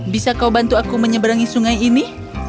bisa kau bantu aku menyeberangi sungai ini